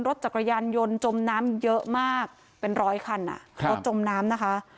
รถจักรยานยนต์จมน้ำเยอะมากเป็นร้อยคันรถจมน้ำนะคะ